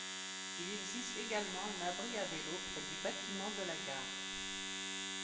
Il existe également un abri à vélos près du bâtiment de la gare.